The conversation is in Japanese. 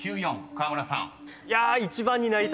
河村さん］